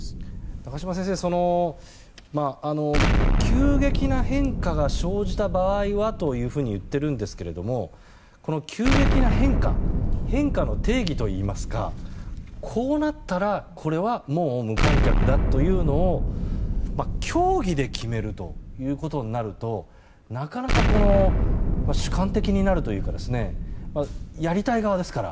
中島先生、急激な変化が生じた場合はというふうに言ってるんですけれども急激な変化の定義といいますかこうなったらこれはもう無観客だというのを協議で決めるということになるとなかなか、主観的になるというかやりたい側ですから。